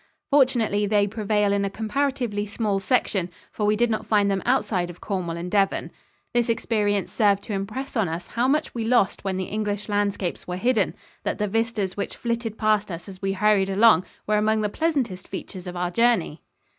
Fortunately, they prevail in a comparatively small section, for we did not find them outside of Cornwall and Devon. This experience served to impress on us how much we lost when the English landscapes were hidden that the vistas which flitted past us as we hurried along were among the pleasantest features of our journey.